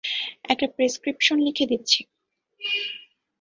একটা প্রেসক্রিপশন লিখে দিচ্ছি।